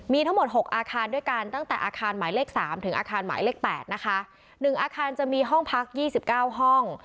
มีทั้งหมดหกอาคารด้วยกันตั้งแต่อาคารหมายเลขสามถึงอาคารหมายเลขแปดนะคะหนึ่งอาคารจะมีห้องพักยี่สิบเก้าห้อง